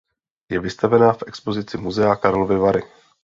Je vystavena v expozici Muzea Karlovy Vary.